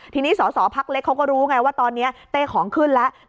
ทีนี้สอสอพักเล็กเขาก็รู้ไงว่าตอนนี้เต้ของขึ้นแล้ว